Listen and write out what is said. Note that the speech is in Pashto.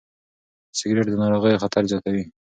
سګرېټ د ناروغیو خطر زیاتوي.